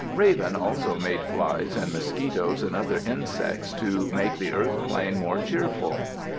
Raven also made flies and mosquitoes and other insects to make the earth plain more cheerful.